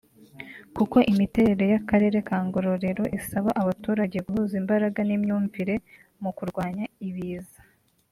kuko imiterere y’Akarere ka Ngororero isaba abaturage guhuza imbaraga n’imyumvire mu kurwanya ibiza